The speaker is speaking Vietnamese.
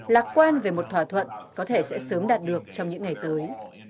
lạc quan về một thỏa thuận có thể sẽ sớm đạt được trong những ngày tới